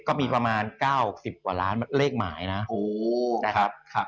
ก็มีประมาณ๙๐กว่าล้านเลขหมายนะ